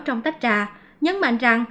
trong tách trà nhấn mạnh rằng